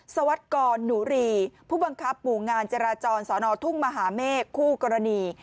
สวัสดิกรหนูรีผู้บังคับหมู่งานจราจรสอนอทุ่งมหาเมฆคู่กรณี